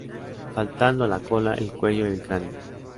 Faltando la cola, el cuello y el cráneo.